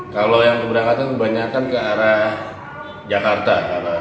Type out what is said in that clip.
kalau yang keberangkatan kebanyakan ke arah jakarta